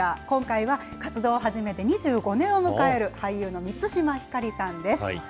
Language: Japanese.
今回は、活動を始めて２５年を迎える、俳優の満島ひかりさんです。